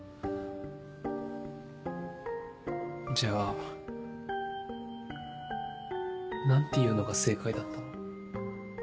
じゃあ何て言うのが正解だったの？